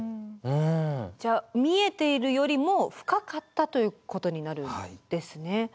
じゃあ見えているよりも深かったということになるんですね。